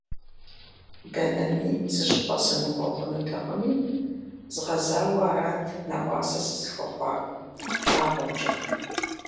Дэнэми зыщӀыпӀэ сымыкӀуэу хъунутэкъыми, згъэзауэ арат нэӀуасэ сызыхуэхъуа лъагъуэмкӀэ.